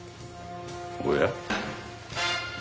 おや？